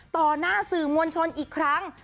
ต่อหน้าสื่อมวลชนอีกครั้ง